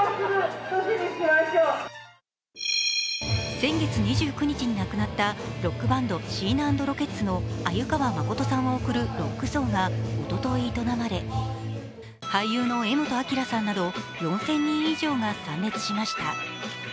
先月２９日に亡くなったロックバンド、シーナ＆ロケッツの鮎川誠さんをおくるロック葬がおととい営まれ俳優の柄本明さんなど４０００人以上が参列しました。